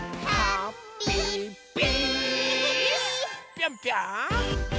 ぴょんぴょん！